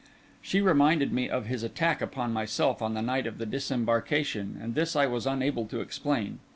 She reminded me of his attack upon myself on the night of the disembarkation, and this I was unable to explain.